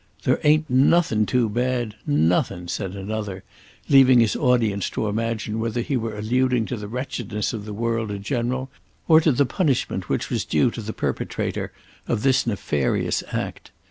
"There ain't nothin' too bad, nothin'," said another, leaving his audience to imagine whether he were alluding to the wretchedness of the world in general or to the punishment which was due to the perpetrator of this nefarious act.